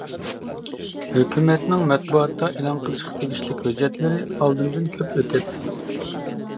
ھۆكۈمەتنىڭ مەتبۇئاتتا ئېلان قىلىشقا تېگىشلىك ھۆججەتلىرى ئالدىمدىن كۆپ ئۆتەتتى.